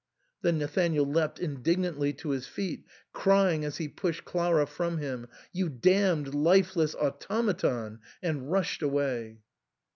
Then Nathanael leapt indignantly to his feet, crying, as he pushed Clara from him, ''You damned lifeless automaton !" and rushed away.